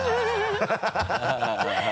ハハハ